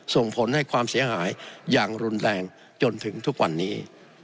ส่งผลให้ความเสียหายอย่างรุนแรงจนถึงทุกวันนี้